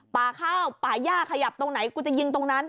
ป่าข้าวป่าย่าขยับตรงไหนกูจะยิงตรงนั้น